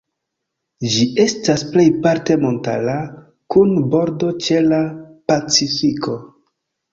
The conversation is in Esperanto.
Ĝi estas plejparte montara, kun bordo ĉe la Pacifiko.